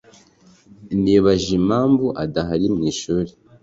Nibajije impamvu adahari mwishuri.